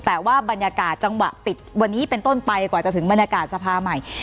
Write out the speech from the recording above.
แต่ว่าบรรยากาศจังหวะปิดวันนี้เป็นต้นไปกว่าจะถึงบรรยากาศสภาใหม่